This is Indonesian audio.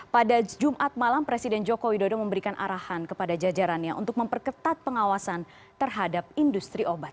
pada jumat malam presiden joko widodo memberikan arahan kepada jajarannya untuk memperketat pengawasan terhadap industri obat